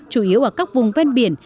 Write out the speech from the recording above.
chủ yếu ở các vùng ven biển